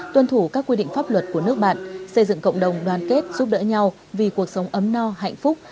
tuân thủ các quy định pháp luật của nước bạn xây dựng cộng đồng đoàn kết giúp đỡ nhau vì cuộc sống ấm no hạnh phúc